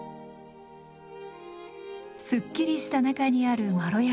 すっきりした中にあるまろやかさ。